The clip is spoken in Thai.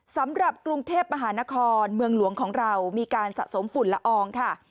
สำหรับกรุงเทพมหานครเมืองหลวงของเรามีการสะสมฝุ่นละอองค่ะ